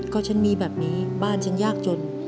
ก็ฉันมีแบบนี้บ้านฉันยากจน